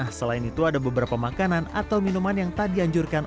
nah selain itu ada beberapa makanan atau minuman yang tak dianjurkan